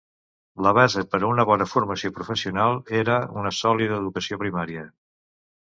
La base per a una bona formació professional, era una sòlida educació primària.